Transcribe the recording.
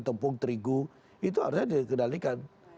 tempung terigu itu harusnya dikendalikan